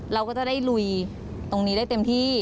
เราก็จะได้ลุยตรงนี้ได้เต็มที่